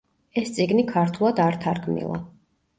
ეს წიგნი ქართულად არ თარგმნილა.